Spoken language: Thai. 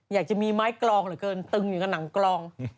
อยากจะมีไม้กรองเหลือเกินตึงอยู่กับหนังกลอง